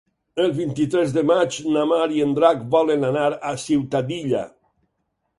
El vint-i-tres de maig na Mar i en Drac volen anar a Ciutadilla.